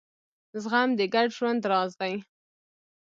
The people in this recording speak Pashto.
زغم د ګډ ژوند راز دی.